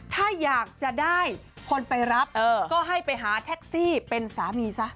ถ้าอยากจะได้คนไปรับก็ให้ไปหาแท็กซี่เป็นสามีซะ